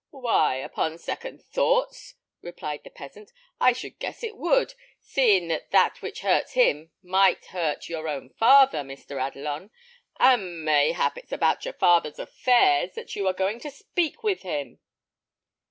"Why, upon second thoughts," replied the peasant, "I should guess it would, seeing that that which hurts him might hurt your own father, Mr. Adelon; and mayhap it's about your father's affairs that you are going to speak with him."